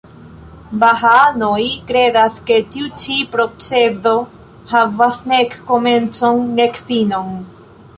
Bahaanoj kredas, ke tiu ĉi procezo havas nek komencon, nek finon.